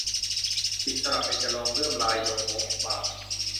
ปีกสลับเบญจรงค์ เลื่อมลายยง หงสบาท